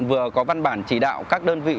vừa có văn bản chỉ đạo các đơn vị